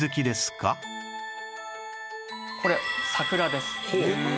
これ桜です。